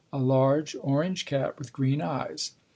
A large orange cat with green eyes.